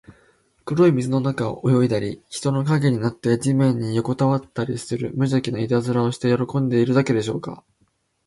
黒い水の中を泳いだり、人の影になって地面によこたわったりする、むじゃきないたずらをして喜んでいるだけでしょうか。